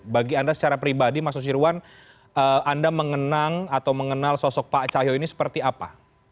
bagi anda secara pribadi mas nusirwan anda mengenang atau mengenal sosok pak cahyo ini seperti apa